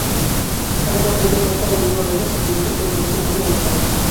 Actualmente, hay cerca de diez bodegas y viñedos que producen vino en el país.